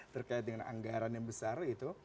terkait dengan anggaran yang besar itu